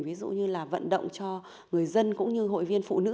ví dụ như là vận động cho người dân cũng như hội viên phụ nữ